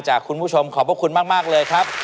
คุณผู้ชมขอบพระคุณมากเลยครับ